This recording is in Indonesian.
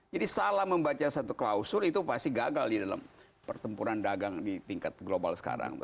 salah membaca satu klausul itu pasti gagal di dalam pertempuran dagang di tingkat global sekarang